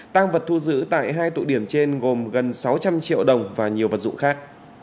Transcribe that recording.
tăng vật thu giữ tại hai tụ điểm trên gồm gần sáu trăm linh triệu đồng và nhiều vật dụng khác